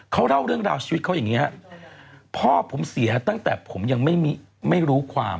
เขาเล่าเรื่องราวชีวิตเขาอย่างนี้ฮะพ่อผมเสียตั้งแต่ผมยังไม่รู้ความ